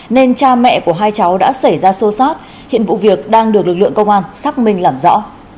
nên cha mẹ của hai cháu đã xảy ra xô xát hiện vụ việc đang được lực lượng công an xác minh làm rõ